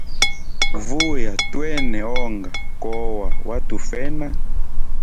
Vuya twene onga kowa watufa wena.